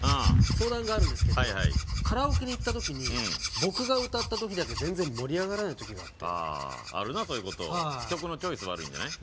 相談があるんですけどはいはいカラオケに行った時僕が歌った時だけ全然盛り上がらない時があってあああるなそういうこと曲のチョイス悪いんじゃない？